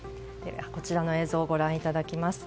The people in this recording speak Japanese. こちらの映像をご覧いただきます。